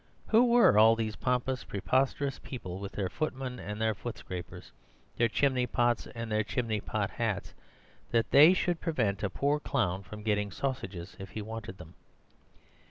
Who were all these pompous preposterous people with their footmen and their foot scrapers, their chimney pots and their chimney pot hats, that they should prevent a poor clown from getting sausages if he wanted them?